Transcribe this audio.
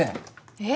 えっ？